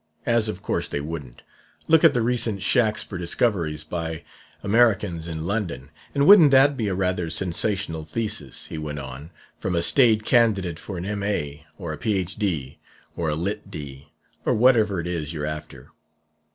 As of course they wouldn't: look at the recent Shaxper discoveries by Americans in London! 'And wouldn't that be a rather sensational thesis,' he went on, 'from a staid candidate for an M.A., or a Ph.D., or a Litt.D., or whatever it is you're after?'